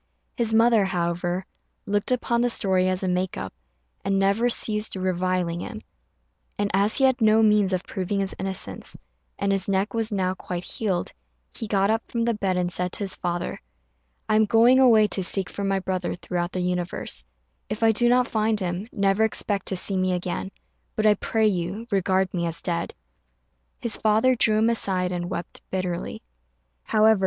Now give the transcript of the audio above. His mother, however, looked upon the story as a make up, and never ceased reviling him; and, as he had no means of proving his innocence, and his neck was now quite healed, he got up from the bed and said to his father, "I am going away to seek for my brother throughout the universe; if I do not find him, never expect to see me again, but I pray you regard me as dead." His father drew him aside and wept bitterly.